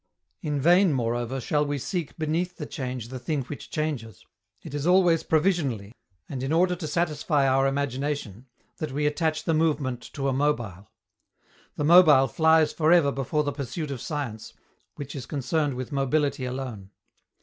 In vain, moreover, shall we seek beneath the change the thing which changes: it is always provisionally, and in order to satisfy our imagination, that we attach the movement to a mobile. The mobile flies for ever before the pursuit of science, which is concerned with mobility alone.